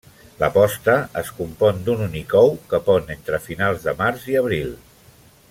La posta es compon d'un únic ou, que pon entre finals de març i abril.